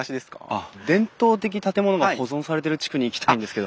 あっ伝統的建物が保存されてる地区に行きたいんですけど。